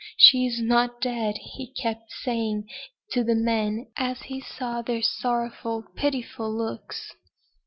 "She is not dead," he kept saying to the men, as he saw their sorrowful, pitying looks.